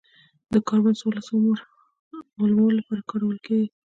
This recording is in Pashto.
د کاربن څورلس عمر معلومولو لپاره کارول کېږي.